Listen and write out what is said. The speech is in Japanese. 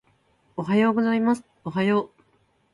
おはようございますおはよう